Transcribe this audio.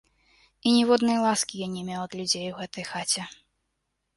І ніводнай ласкі я не меў ад людзей у гэтай хаце.